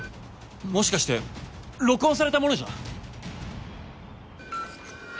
もしかして録音されたものじゃ？